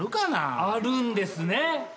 あるんですね！